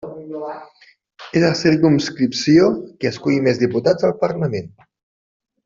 És la circumscripció que escull més diputats al Parlament.